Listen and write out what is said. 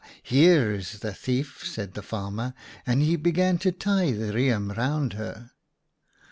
here is the thief/ said the farmer, and he began to tie the riem round her.